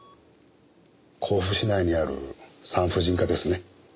甲府市内にある産婦人科ですね？